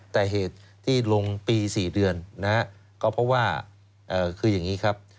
แต่เหตุที่ลงปี๔เดือนนะฮะก็เพราะว่าคืออย่างนี้ครับ